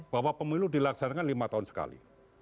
bahwa pemilu dilaksanakan lima tahun sekali